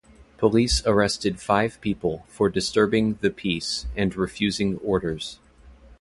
Police arrested five people for disturbing the peace and refusing orders.